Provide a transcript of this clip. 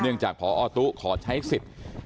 เนื่องจากพอตู้ขอใช้สิทธิ์